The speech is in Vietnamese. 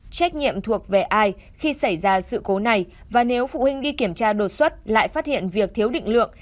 trách nhiệm thuộc về ai khi xảy ra sự cố này và nếu phụ huynh đi kiểm tra đột xuất lại phát hiện việc thiếu định lượng